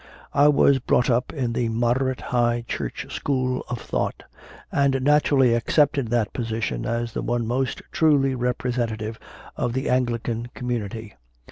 I was brought up in the moderate High Church school of thought, and naturally accepted that position as the one most truly representative of the Anglican communion.